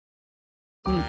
うん。